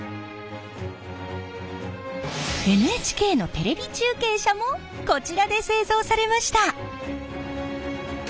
ＮＨＫのテレビ中継車もこちらで製造されました。